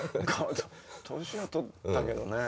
年は取ったけどね。